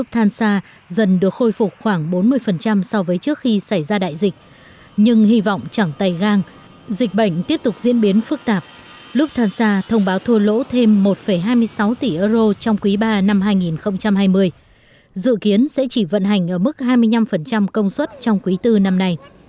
thành ra thông báo thua lỗ thêm một hai mươi sáu tỷ euro trong quý ba năm hai nghìn hai mươi dự kiến sẽ chỉ vận hành ở mức hai mươi năm công suất trong quý bốn năm nay